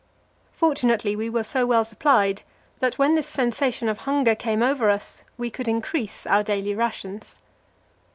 Fortunately we were so well supplied that when this sensation of hunger came over us, we could increase our daily rations.